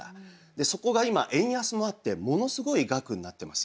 そこが今円安もあってものすごい額になってます。